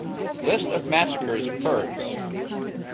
List of massacres of Kurds